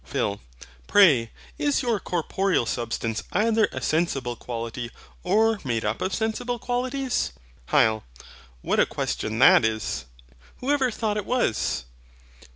PHIL. Pray, is your corporeal substance either a sensible quality, or made up of sensible qualities? HYL. What a question that is! who ever thought it was?